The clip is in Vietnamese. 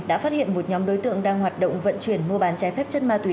đã phát hiện một nhóm đối tượng đang hoạt động vận chuyển mua bán trái phép chất ma túy